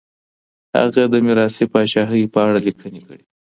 هغه د ميراثي پاچاهۍ په اړه ليکنې کړي دي.